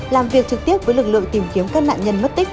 làm việc trực tiếp với lực lượng tìm kiếm các nạn nhân mất tích